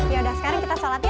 yaudah sekarang kita shalat yuk